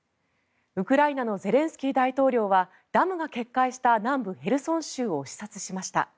ウクライナのゼレンスキー大統領はダムが決壊した南部ヘルソン州を視察しました。